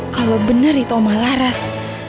kalau benar itu oma laras